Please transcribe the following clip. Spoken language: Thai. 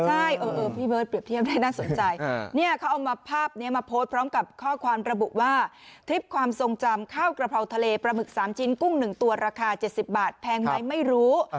ใช่พี่เบิร์ตเปรียบเทียบได้น่าสนใจเนี่ยเขาเอามาภาพนี้มาโพสต์พร้อมกับข้อความระบุว่าคลิปความทรงจำข้าวกระเพราทะเลปลาหมึก๓ชิ้นกุ้ง๑ตัวราคา๗๐บาทแพงไหมไม่รู้